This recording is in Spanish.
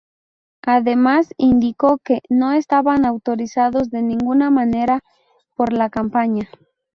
Además, indicó que "no estaban autorizados de ninguna manera por la campaña".